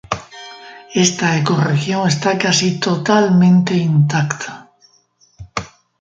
Esta ecorregión está casi totalmente intacta.